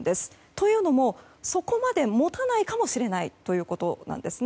というのも、そこまで持たないかもしれないということなんです。